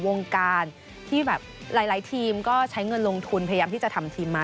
มีทีมก็ใช้เงินลงทุนพยายามที่จะทำทีมมา